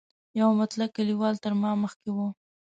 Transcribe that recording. یو مطلق کلیوال تر ما مخکې و.